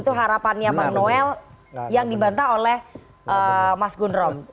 itu harapannya bang noel yang dibantah oleh mas gundrom